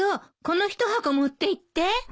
この１箱持っていって。